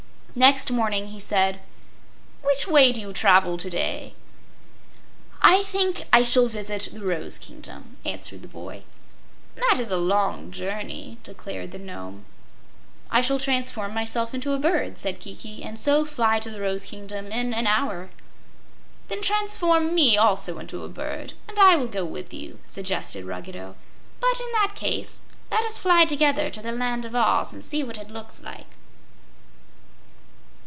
Next morning he said: "Which way do you travel to day?" "I think I shall visit the Rose Kingdom," answered the boy. "That is a long journey," declared the Nome. "I shall transform myself into a bird," said Kiki, "and so fly to the Rose Kingdom in an hour." "Then transform me, also, into a bird, and I will go with you," suggested Ruggedo. "But, in that case, let us fly together to the Land of Oz, and see what it looks like."